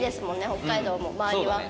北海道も周りは。